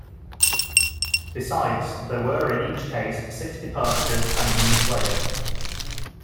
Besides, there were in each case six departures and new players.